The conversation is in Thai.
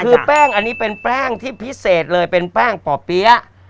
คือแป้งอันนี้เป็นแป้งที่พิเศษเลยเป็นแป้งป่อเปี๊ยะ